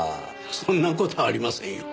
そんな事ありませんよ。